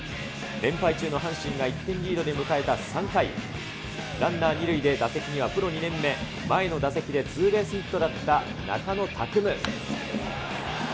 連敗中の阪神が１点リードで迎えた３回、ランナー２塁で打席にはプロ２年目、前の打席でツーベースヒットだった中野拓夢。